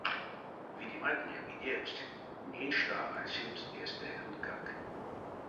Видематне видевсть, ней шка арсемс эсь прядонтькак.